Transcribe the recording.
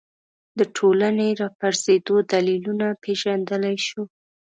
د ټولنې راپرځېدو دلیلونه پېژندلی شو